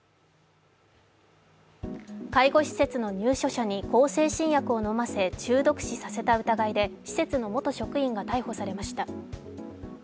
介護施設の入所者に向精神薬を飲ませ中毒死させた疑いで施設の元職員が逮捕されました。